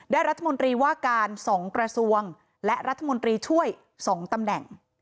รัฐมนตรีว่าการ๒กระทรวงและรัฐมนตรีช่วย๒ตำแหน่ง